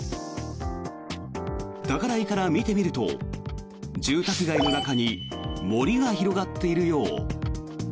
高台から見てみると住宅街の中に森が広がっているよう。